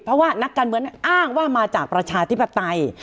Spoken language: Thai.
เพราะว่านักการเมืองนั้นอ้างว่ามาจากประชาธิปไตย